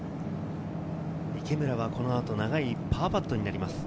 池村はこの後、長いパーパットになります。